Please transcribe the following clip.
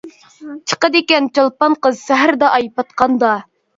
چىقىدىكەن چولپان قىز، سەھەردە ئاي پاتقاندا.